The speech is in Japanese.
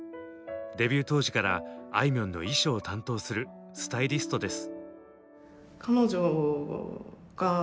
デビュー当時からあいみょんの衣装を担当するスタイリストです。